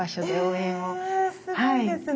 えすごいですね。